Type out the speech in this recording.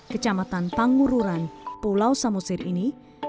kecamatan pangururan pulau samosir ini